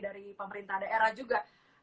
dari pemerintah daerah juga